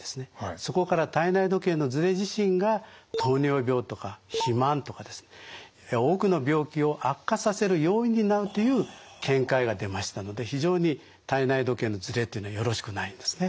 そこから体内時計のズレ自身が糖尿病とか肥満とか多くの病気を悪化させる要因になるという見解が出ましたので非常に体内時計のズレというのはよろしくないんですね。